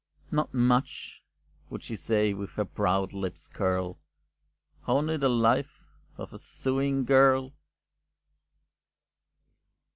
"Not much?" would she say with her proud lip's curl "Only the life of a sewing girl?"